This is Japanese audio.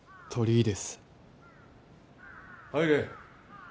・入れ。